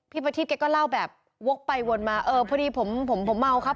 ประทีบแกก็เล่าแบบวกไปวนมาเออพอดีผมผมเมาครับ